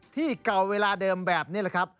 ที่เก่าเวลาเดิมแบบนี้แหละครับ